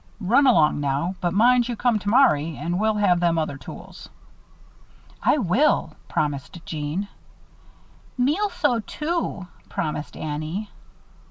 Run along now, but mind you come tomorry and we'll have them other tools." "I will," promised Jeanne. "Me'll sew, too," promised Annie.